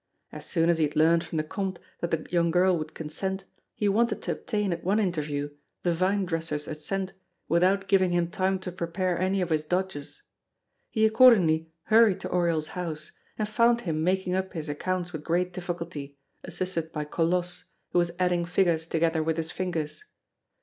As soon as he had learned from the Comte that the young girl would consent, he wanted to obtain, at one interview, the vinedresser's assent without giving him time to prepare any of his dodges. He accordingly hurried to Oriol's house, and found him making up his accounts with great difficulty, assisted by Colosse, who was adding figures together with his fingers.